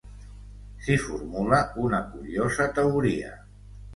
S'hi formula una curiosa teoria.